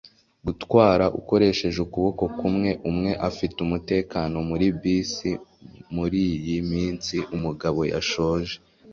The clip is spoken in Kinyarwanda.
gutwara - ukoresheje ukuboko kumwe! umwe afite umutekano muri bisi muriyi minsi. 'umugabo yashoje